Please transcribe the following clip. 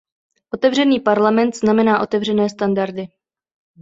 Otevřený parlament znamená otevřené standardy.